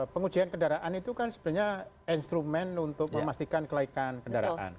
pengujian kendaraan itu kan sebenarnya instrumen untuk memastikan kelaikan kendaraan